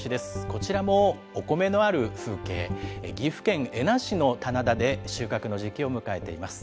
こちらもお米のある風景、岐阜県恵那市の棚田で、収穫の時期を迎えています。